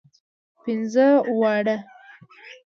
پنځه واړه.